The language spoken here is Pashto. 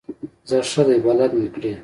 ځه ښه دی بلد مې کړې.